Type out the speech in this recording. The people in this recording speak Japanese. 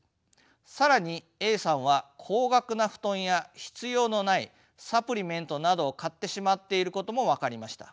更にＡさんは高額な布団や必要のないサプリメントなどを買ってしまっていることも分かりました。